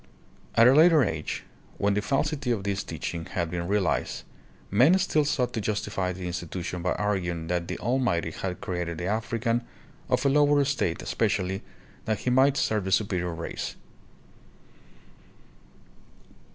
At a later age, when the falsity of this teach ing had been realized, men still sought to justify the institution by arguing that the Almighty had created the African of a lower state especially that he might serve the superior race.